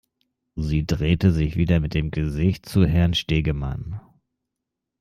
Sie drehte sich wieder mit dem Gesicht zu Herrn Stegemann.